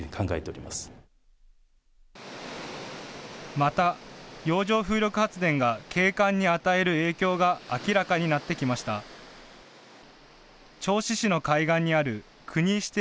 また洋上風力発電が景観に与える影響が明らかになってきました。